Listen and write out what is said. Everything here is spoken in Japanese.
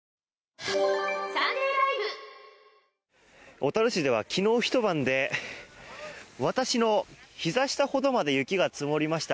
小樽市では昨日ひと晩で私のひざ下ほどまで雪が積もりました。